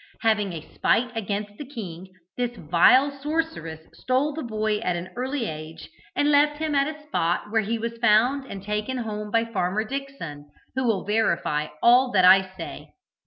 Having a spite against the king, this vile sorceress stole the boy at an early age, and left him at a spot where he was found and taken home by Farmer Dickson, who will verify all that I say.